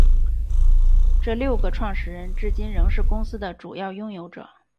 这六个创始人至今仍是公司的主要拥有者。